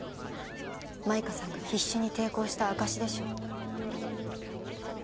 舞歌さんが必死に抵抗した証しでしょう。